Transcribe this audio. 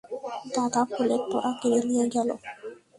দাদা ফুলের তোড়া কেড়ে নিয়ে গেল।